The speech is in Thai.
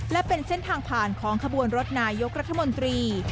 และเป็นเส้นทางผ่านของขบวนรถนายกรัฐมนตรี